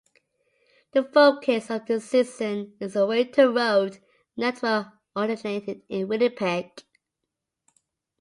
The focus of this season is the winter road network originating in Winnipeg.